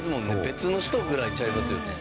別の人ぐらいちゃいますよね。